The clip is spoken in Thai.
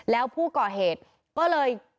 แล้วผู้ก่อเหตุก็เลย